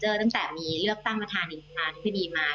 เจอตั้งแต่มีเลือกตั้งประธานิษฐานพิธีมา